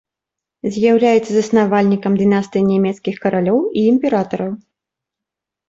З'яўляецца заснавальнікам дынастыі нямецкіх каралёў і імператараў.